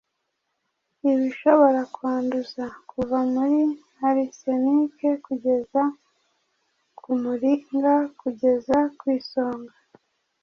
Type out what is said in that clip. ibishobora kwanduza - kuva muri arsenic kugeza ku muringa kugeza ku isonga –